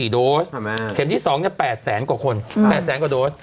โดสเข็มที่๒๘แสนกว่าคน๘แสนกว่าโดส